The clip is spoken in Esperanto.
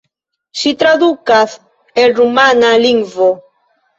Ŝi tradukas el rumana lingvo.